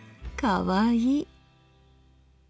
かわいい。